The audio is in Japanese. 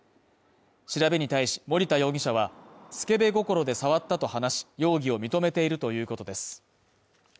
調べに対し森田容疑者はスケベ心で触ったと話し、容疑を認めているということです。